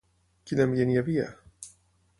Quin ambient hi havia?